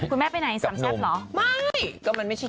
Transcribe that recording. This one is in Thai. คุณแม่ไปไหนกับทำแซ่บหรอ